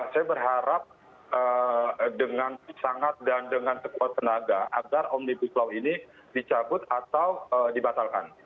saya berharap dengan sangat dan dengan sekuat tenaga agar omnibus law ini dicabut atau dibatalkan